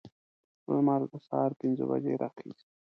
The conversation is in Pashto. لمر د سهار پنځه بجې راخیزي.